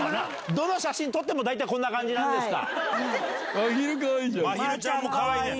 どの写真撮っても大体こんな感じなんですか。